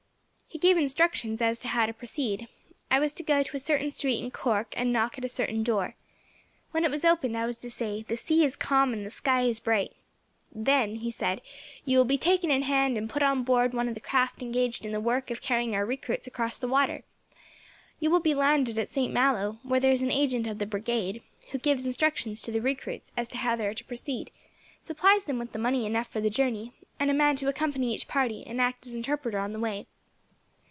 He gave instructions as to how to proceed. I was to go to a certain street in Cork, and knock at a certain door. When it was opened, I was to say, 'The sea is calm and the sky is bright'. "'Then', he said, 'you will be taken in hand, and put on board one of the craft engaged in the work of carrying our recruits across the water. You will be landed at Saint Malo, where there is an agent of the Brigade, who gives instructions to the recruits as to how they are to proceed, supplies them with money enough for the journey, and a man to accompany each party, and act as interpreter on the way.